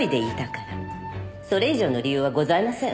それ以上の理由はございません。